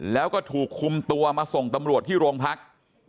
แล้วก็ถูกคุมตัวมาส่งตำรวจที่โรงพัก